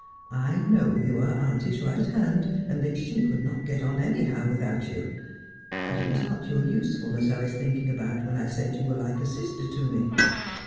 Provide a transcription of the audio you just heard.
I know you are auntie's right hand, and that she could not get on anyhow without you. But it was not your usefulness I was thinking about when I said you were like a sister to me.